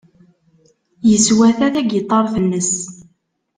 Yeswata tagiṭart-nnes.